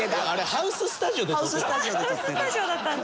ハウススタジオで撮ってる。